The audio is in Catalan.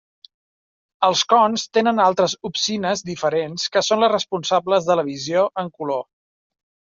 Els cons tenen altres opsines diferents que són les responsables de la visió en color.